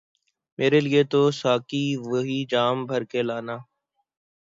میرے لئے تو ساقی وہی جام بھر کے لانا